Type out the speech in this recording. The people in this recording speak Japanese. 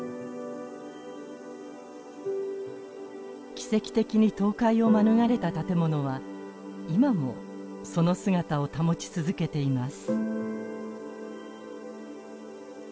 奇跡的に倒壊を免れた建物は今もその姿を保ち続けています。